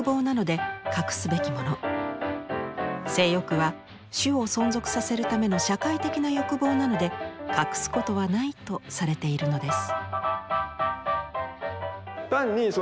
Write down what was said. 「性欲」は種を存続させるための社会的な欲望なので隠すことはないとされているのです。